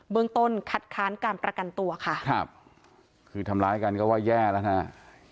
เมืองต้นคัดค้านการประกันตัวค่ะครับคือทำร้ายกันก็ว่าแย่แล้วนะฮะ